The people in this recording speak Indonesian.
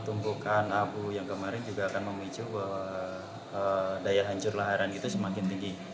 tumpukan abu yang kemarin juga akan memicu bahwa daya hancur laharan itu semakin tinggi